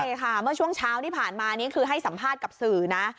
ใช่ค่ะเมื่อช่วงเช้าที่ผ่านมานี่คือให้สัมภาษณ์กับสื่อนะ